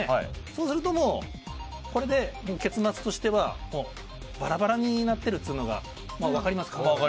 そうするともう、結末としてはバラバラになっているのが分かりますか。